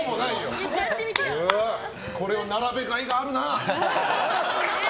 これは並べがいがあるな。